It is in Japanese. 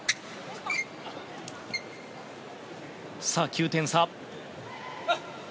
９点差。